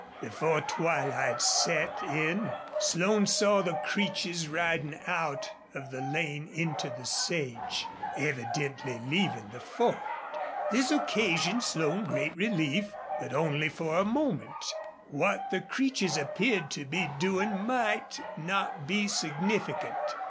Before twilight set in Slone saw the Creeches riding out of the lane into the sage, evidently leaving the Ford. This occasioned Slone great relief, but only for a moment. What the Creeches appeared to be doing might not be significant.